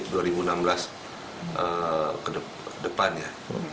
ya ke depannya